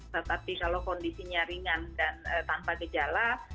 tetapi kalau kondisinya ringan dan tanpa gejala